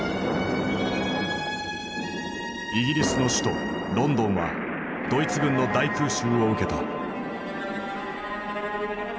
イギリスの首都ロンドンはドイツ軍の大空襲を受けた。